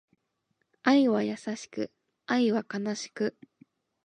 愛は優しく、愛は悲しく